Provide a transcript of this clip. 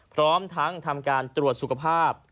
พร้อมทั้งทำการตรวจสุขภาพ